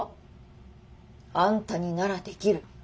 あんたにならできる。